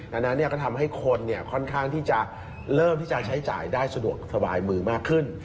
ดังนั้นก็ทำให้คนค่อนข้างที่จะเริ่มที่จะใช้จ่ายได้สะดวกสบายมือมากขึ้น